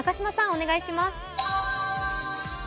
お願いします。